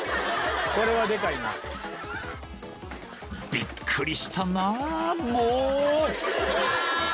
［びっくりしたなもう］